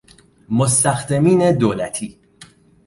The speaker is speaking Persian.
مستخدمین دولتی